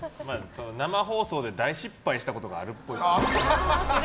生放送で大失敗したことがあるっぽい。